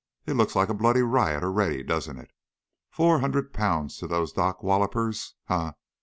It looks like a bloody riot already, doesn't it? Four hundred pounds to those dock wallopers! Huh!